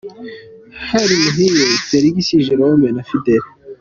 Hari Muhire, Felix, Jerome na Fidele,.